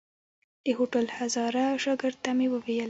د هوټل هزاره شاګرد ته مې وويل.